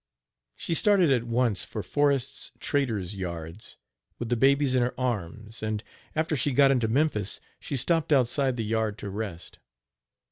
She started at once for Forrest's trader's yards, with the babies in her arms and, after she got into Memphis, she stopped outside the yard to rest.